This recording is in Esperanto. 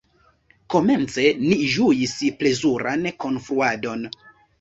Komence ni ĝuis plezuran kunfluadon.